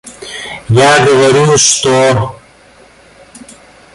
Я говорю, что...